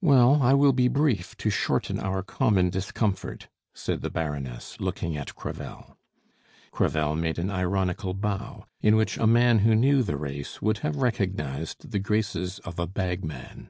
"Well, I will be brief, to shorten our common discomfort," said the Baroness, looking at Crevel. Crevel made an ironical bow, in which a man who knew the race would have recognized the graces of a bagman.